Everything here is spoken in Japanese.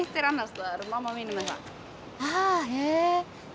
ああへえ。